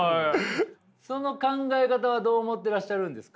その考え方はどう思ってらっしゃるんですか？